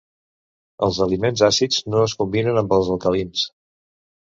Els aliments àcids no es combinen amb els alcalins.